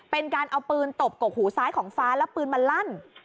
เป็นการเอาปืนตบกกหูซ้ายของฟ้าแล้วปืนมันลั่น